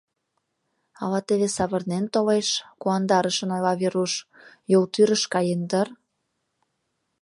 — Ала теве савырнен толеш, — куандарышын ойла Веруш, — Юл тӱрыш каен дыр.